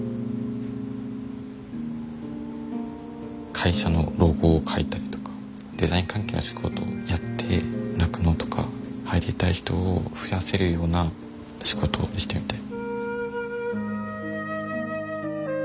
会社のロゴを書いたりとかデザイン関係の仕事をやって酪農とか入りたい人を増やせるような仕事をしてみたい。